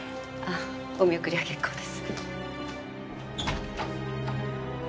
お見送りは結構です。